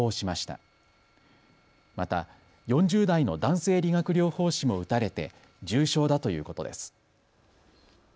また４０代の男性理学療法士も撃たれて重傷だということです。